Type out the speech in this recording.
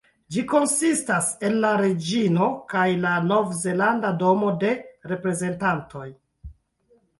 Ĝi konsistas el la Reĝino kaj la Novzelanda Domo de Reprezentantoj.